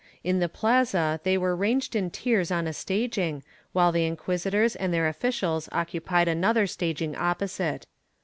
In the plaza they were ranged in tiers on a staging, while the inquisitors and their officials occupied another staging opposite.